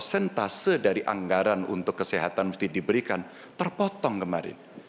prosentase dari anggaran untuk kesehatan musti diberikan terpotong kemarin